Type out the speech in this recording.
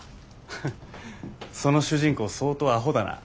フッその主人公相当アホだな。